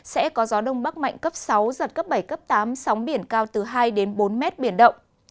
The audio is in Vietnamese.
sẽ có gió đông bắc mạnh cấp sáu giật cấp bảy cấp tám sóng biển cao từ hai bốn mét biển động